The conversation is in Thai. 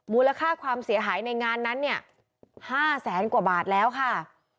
มูลค่าความเสียหายในงานนั้นเนี่ย๕แสนกว่าบาทแล้วค่ะ